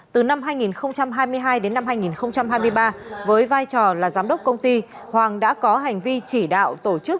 từ năm hai nghìn hai mươi hai đến năm hai nghìn hai mươi ba với vai trò là giám đốc công ty hoàng đã có hành vi chỉ đạo tổ chức